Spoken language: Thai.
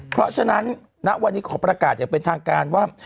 เพราะฉะนั้นณวันนี้ขอประกาศอย่างเป็นทางการว่า